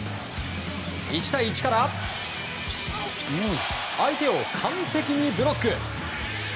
１対１から相手を完璧にブロック。